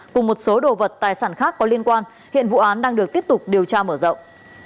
cùng một số đồ vật tài sản khác có liên quan hiện vụ án đang được tiếp tục điều tra mở rộng